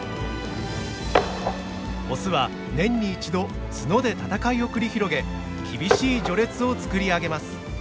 オスは年に１度角で闘いを繰り広げ厳しい序列を作り上げます。